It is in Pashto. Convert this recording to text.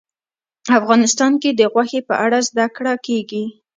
افغانستان کې د غوښې په اړه زده کړه کېږي.